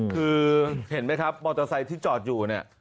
คือเห็นไหมครับมอเตอร์ไซค์ที่จอดอยู่เนี่ย